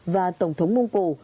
và tổng thống mông cổ